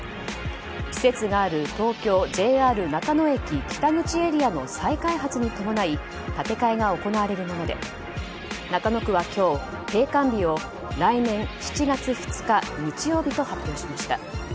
施設がある東京・ＪＲ中野駅北口エリアの再開発に伴い建て替えが行われるもので中野区は今日閉館日を来年７月２日日曜日と発表しました。